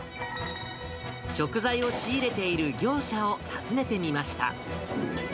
食材を仕入れている業者を訪ねてみました。